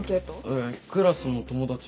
えクラスの友達。